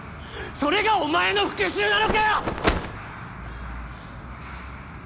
それがお前の復讐なのかよ！